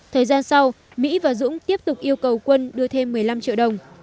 thời gian sau mỹ và dũng tiếp tục yêu cầu quân đưa thêm một mươi năm triệu đồng